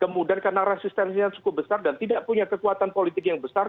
kemudian karena resistensinya cukup besar dan tidak punya kekuatan politik yang besar